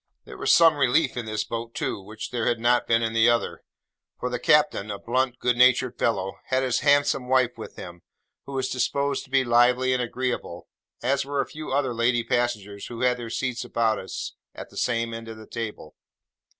There was some relief in this boat, too, which there had not been in the other, for the captain (a blunt, good natured fellow) had his handsome wife with him, who was disposed to be lively and agreeable, as were a few other lady passengers who had their seats about us at the same end of the table.